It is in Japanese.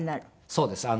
そうです。